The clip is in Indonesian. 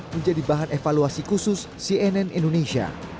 menjadi bahan evaluasi khusus cnn indonesia